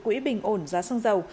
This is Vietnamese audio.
quỹ bình ổn giá xăng dầu